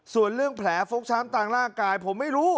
ส่วนเรื่องแผลฟกช้ำตามร่างกายผมไม่รู้